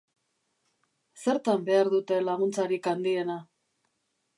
Zertan behar dute laguntzarik handiena?